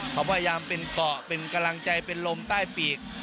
เขาพยายามเป็นเกาะเป็นกำลังใจเป็นลมใต้ปีก